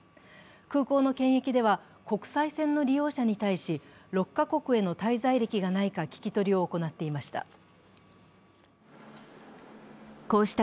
空港の検疫では、国際線の利用者に対し、６カ国への滞在歴がないか聞き取りを行っていました。